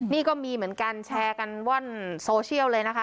นี่ก็มีเหมือนกันแชร์กันว่อนโซเชียลเลยนะคะ